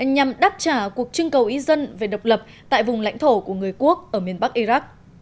nhằm đáp trả cuộc trưng cầu ý dân về độc lập tại vùng lãnh thổ của người quốc ở miền bắc iraq